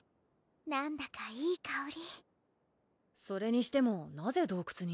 なんだかいいかおりそれにしてもなぜ洞窟に？